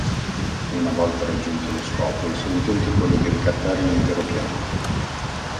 Una volta raggiunto lo scopo il suo intento è quello di ricattare l'intero pianeta.